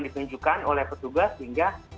dipunjukkan oleh petugas sehingga